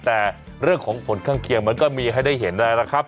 แต่เรื่องของผลข้างเคียงมันก็มีให้ได้เห็นนะครับ